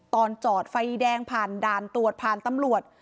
ตอนจอดไฟแดงผ่านด่านตรวจผ่านตำรวจ